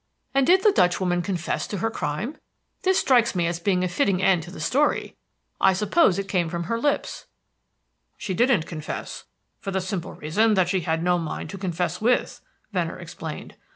And did the Dutch woman confess to her crime? This strikes me as being a fitting end to the story. I suppose it came from her lips." "She didn't confess, for the simple reason that she had no mind to confess with," Venner explained.